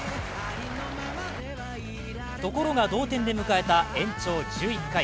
ところが同点で迎えた延長１１回。